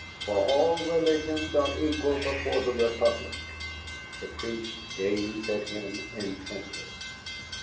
For all religions are equal before the Republic." The priest gazed at him intently.